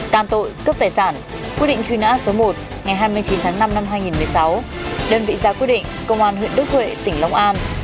can tội cướp tài sản quyết định truy nã số một ngày hai mươi chín tháng năm năm hai nghìn một mươi sáu đơn vị ra quyết định công an huyện đức huệ tỉnh long an